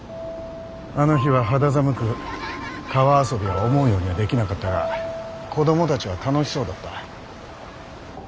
あの日は肌寒く川遊びは思うようにはできなかったが子供たちは楽しそうだった。